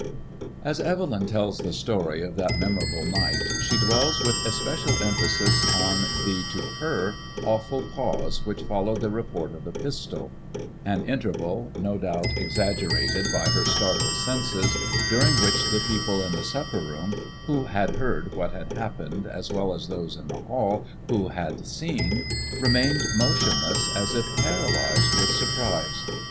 '^S Bvelyo tells the ' story of that inemor ' able night, she dwells I with especial emphasis _ on the, to her, awful pause which followed the report of the pistol ; an interval no doubt exaggerated by her startled senses, during which the people in the supper room, who had heard what had happened, as well as those in the hall who had seen, remained motionless, as if paralyzed with surprise.